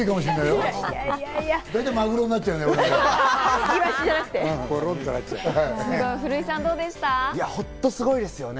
大体マグロになっちゃうけどね。